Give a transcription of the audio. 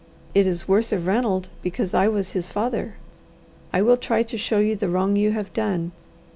It is worse of Ranald because I was his father. I will try to show you the wrong you have done.